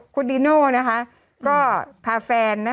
คุณดิโน่นะคะก็พาแฟน